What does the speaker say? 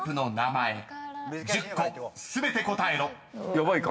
ヤバいか？